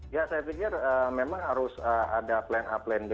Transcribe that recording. ya saya pikir memang harus ada plan a plan b